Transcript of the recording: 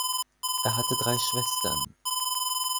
Er hatte drei Schwestern.